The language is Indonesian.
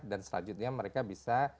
dan selanjutnya mereka bisa